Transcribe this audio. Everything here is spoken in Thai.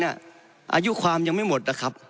อายุความยังไม่หมดนะครับ